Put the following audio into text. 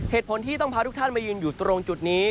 เหตุผลที่ต้องพาทุกท่านมายืนอยู่ตรงจุดนี้